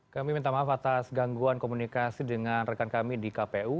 kami minta maaf atas gangguan komunikasi dengan rekan kami di kpu